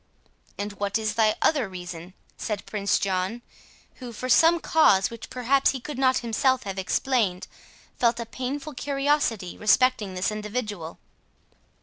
"And what is thy other reason?" said Prince John, who, for some cause which perhaps he could not himself have explained, felt a painful curiosity respecting this individual.